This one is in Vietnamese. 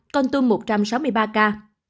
con tương một trăm sáu mươi ba ca